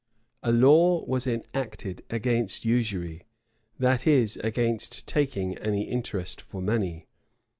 A law was enacted against usury; that is, against taking any interest for money.